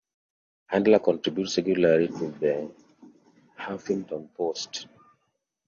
Handler contributes regularly to "The Huffington Post".